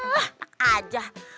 nah tak aja